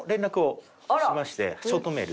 ショートメール。